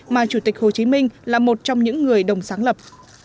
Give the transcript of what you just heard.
hai nghìn hai mươi mà chủ tịch hồ chí minh là một trong những người đồng sáng lập